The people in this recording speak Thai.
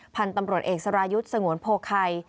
พันธุ์ตำรวจเอกสรายุทธ์สงวนโพไข่